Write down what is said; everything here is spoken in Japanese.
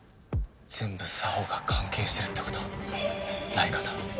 全部沙帆が関係してるってことないかな？